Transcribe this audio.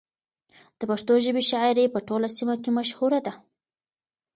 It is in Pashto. د پښتو ژبې شاعري په ټوله سیمه کې مشهوره ده.